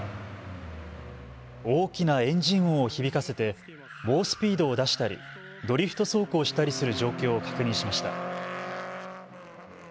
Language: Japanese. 大きなエンジン音を響かせて猛スピードを出したりドリフト走行をしたりする状況を確認しました。